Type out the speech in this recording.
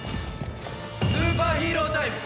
スーパーヒーロータイム。